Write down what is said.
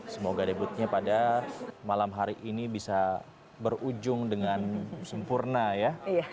semoga debutnya pada malam hari ini bisa berujung dengan sempurna ya